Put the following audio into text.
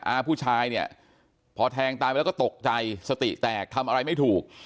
อาผู้ชายเนี่ยพอแทงตายไปแล้วก็ตกใจสติแตกทำอะไรไม่ถูก